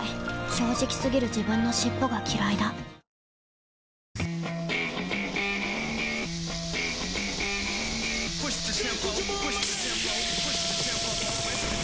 正直過ぎる自分の尻尾がきらいだプシューッ！